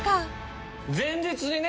前日にね